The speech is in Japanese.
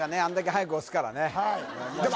はやく押すからね